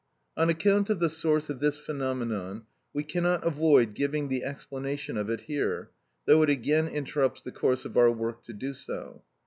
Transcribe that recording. On account of the source of this phenomenon, we cannot avoid giving the explanation of it here, though it again interrupts the course of our work to do so.